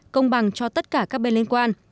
công bằng cho tất cả các bên liên quan